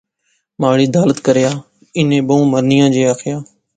مہاڑی دالت کریا۔۔۔ انیں بہوں مرنیاں جئے آخیا